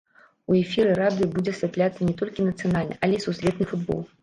У эфіры радыё будзе асвятляцца не толькі нацыянальны, але і сусветны футбол.